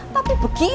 tapi pasal berapa ini